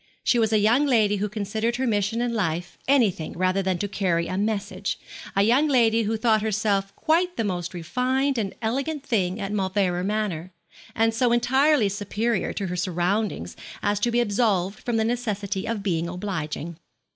She was a young lady who considered her mission in life anything rather than to carry a message a young lady who thought herself quite the most refined and elegant thing at Mauleverer Manor, and so entirely superior to her surroundings as to be absolved from the necessity of being obliging.